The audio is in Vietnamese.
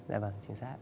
dạ vâng chính xác